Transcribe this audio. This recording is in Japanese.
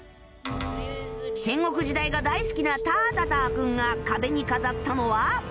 戦国時代が大好きなタータター君が壁に飾ったのは